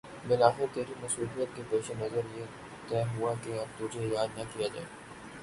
بالآخر تیری مصروفیت کے پیش نظریہ تہہ ہوا کے اب تجھے یاد نہ کیا جائے